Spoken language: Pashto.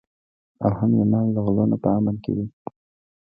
او هم یې مال له غلو نه په امن کې وي.